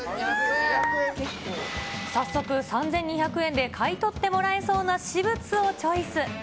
早速、３２００円で買い取ってもらえそうな私物をチョイス。